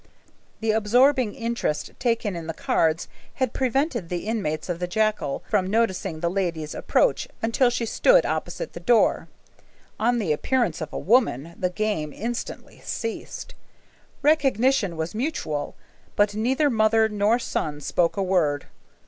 The absorbing interest taken in the cards had prevented the inmates of the jacal from noticing the lady's approach until she stood opposite the door. On the appearance of a woman, the game instantly ceased. Recognition was mutual, but neither mother nor son spoke a word.